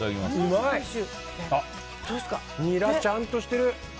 ニラ、ちゃんとしてる。